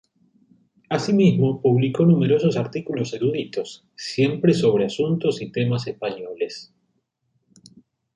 Asimismo publicó numerosos artículos eruditos, siempre sobre asuntos y temas españoles.